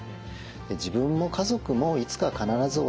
自分も家族もいつか必ず衰えていくと。